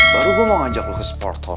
baru gue mau ajak lo ke sporthall